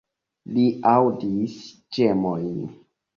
Li aŭdis ĝemojn.